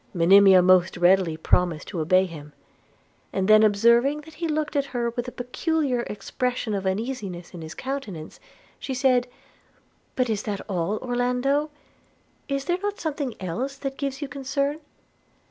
Monimia most readily promised to obey him: – and then observing that he looked at her with a peculiar expression of uneasiness in his countenance, she said, 'But is that all, Orlando? Is there not something else that gives you concern?'